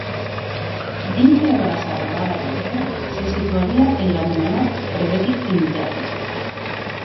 Dintre de la Serralada Bètica, se situaria en l'anomenat Prebètic Intern.